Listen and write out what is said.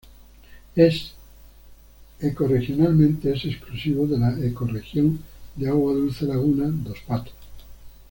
Ecorregionalmente es exclusivo de la ecorregión de agua dulce laguna dos Patos.